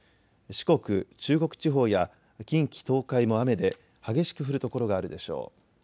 四国、中国地方や近畿、東海も雨で激しく降る所があるでしょう。